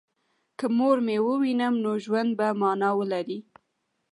که مور مې ووینم نو ژوند به مانا ولري